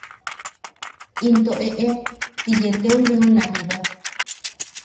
Into eʼe ti yee itou jiuna jiba.